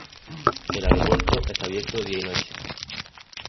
El aeropuerto está abierto día y noche.